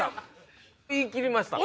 言い切りました。